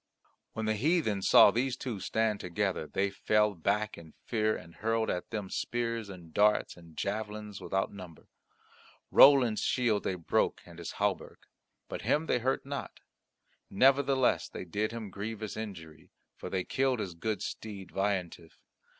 When the heathen saw these two stand together they fell back in fear and hurled at them spears and darts and javelins without number. Roland's shield they broke and his hauberk; but him they hurt not; nevertheless they did him a grievous injury, for they killed his good steed Veillantif.